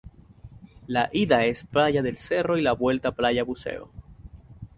La ida es Playa del Cerro y la vuelta Playa Buceo.